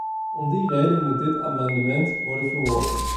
Om die reden moet dit amendement worden verworpen.